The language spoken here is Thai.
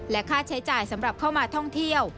ค่าใช้จ่ายสำหรับเข้ามาท่องเที่ยว